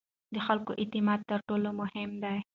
د خلکو اعتماد تر ټولو مهم دی